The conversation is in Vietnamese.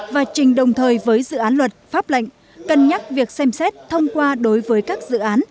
và trình đồng thời với dự án luật pháp lệnh cân nhắc việc xem xét thông qua đối với các dự án